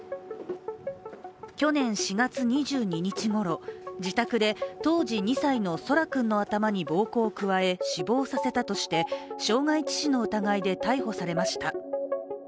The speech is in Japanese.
去年４月２２日ごろ、自宅で、当時２歳の空来君の頭に暴行を加え死亡させたとして傷害致死の疑いで逮捕されました。